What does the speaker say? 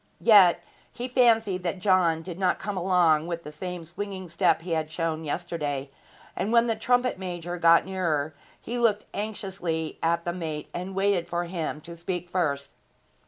Yet he fancied that John did not come along with the same swinging step he had shown yesterday; and when the trumpet major got nearer he looked anxiously at the mate and waited for him to speak first.